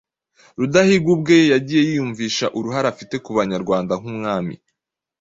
Rudahigwa ubwe yagiye yiyumvisha uruhare afite ku Banyarwanda nk'umwami